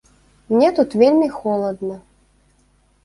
Мне тут вельмі холадна.